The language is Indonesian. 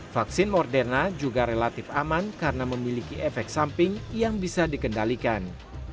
vaksin moderna juga relatif aman karena memiliki efek samping yang bisa dikendalikan